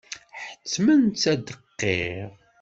Ḥettmen-tt ad d-tqirr.